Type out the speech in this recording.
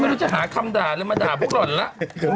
ไม่รู้จะหาคำด่าในมนาปุ๊กร่อนแล้ว